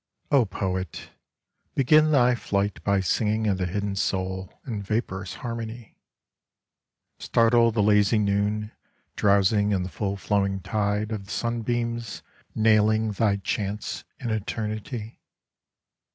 O Poet, begin thy flight by singing of the hidden soul in I vaporous harmony ; Startle the lazy noon drowsing in the full flowing tide of the sunbeams nailing thy chants in Eternity